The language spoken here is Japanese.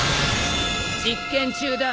実験中だ。